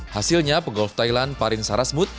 hasilnya pegolf thailand parin sarasmut